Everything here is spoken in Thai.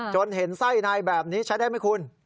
เห็นไส้ในแบบนี้ใช้ได้ไหมคุณ